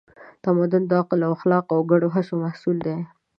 تمدن د عقل، اخلاقو او ګډو هڅو محصول دی.